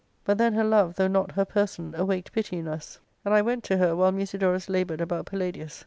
But then her love, though not her person, awaked pity in us, and I went ARCADIA.—Book //. 205* to her, while Musidorus laboured about Palladius.